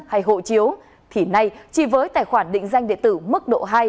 hay hộ chiếu thì nay chỉ với tài khoản định danh điện tử mức độ hai